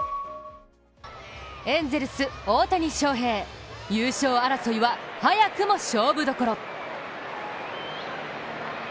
エンゼルス・大谷翔平、優勝争いは早くも勝負どころ。